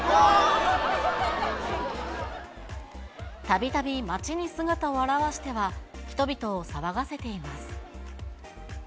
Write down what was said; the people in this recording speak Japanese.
たびたび街に姿を現しては、人々を騒がせています。